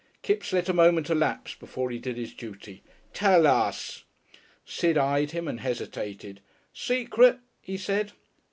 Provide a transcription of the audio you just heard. Kipps let a moment elapse before he did his duty. "Tell us!" Sid eyed him and hesitated. "Secret?" he said.